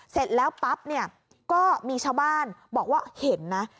เสร็จแล้วปั๊บเนี่ยก็มีชาวบ้านบอกว่าเห็นนะ